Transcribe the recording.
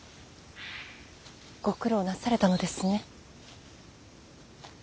ご苦労なされたのですね。